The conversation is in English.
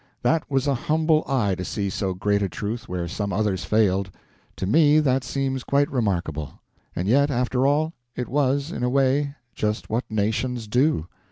That was a humble eye to see so great a truth where some others failed. To me that seems quite remarkable. And yet, after all, it was, in a way, just what nations do.